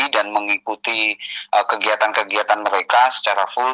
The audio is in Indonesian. dan mengikuti kegiatan kegiatan mereka secara full